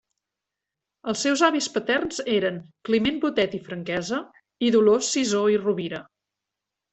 Els seus avis paterns eren Climent Botet i Franquesa i Dolors Sisó i Rovira.